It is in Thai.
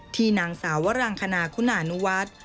นางสาววรังคณาคุณานุวัฒน์